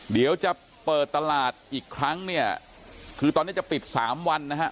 เดี๋ยวจะเปิดตลาดอีกครั้งเนี่ยคือตอนนี้จะปิดสามวันนะฮะ